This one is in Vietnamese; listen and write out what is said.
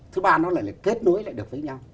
thứ ba là nó lại kết nối lại được với nhau